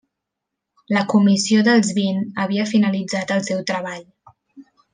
La Comissió dels Vint havia finalitzat el seu treball.